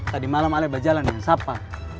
tadi malam ali berjalan dengan sapa